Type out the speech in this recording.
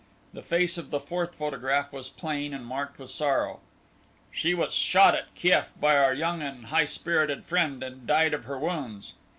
The face of the fourth photograph was plain, and marked with sorrow. "She was shot at Kieff by our young and high spirited friend, and died of her wounds.